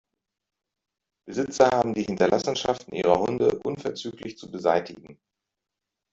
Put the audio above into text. Besitzer haben die Hinterlassenschaften ihrer Hunde unverzüglich zu beseitigen.